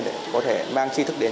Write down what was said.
để có thể mang tri thức đến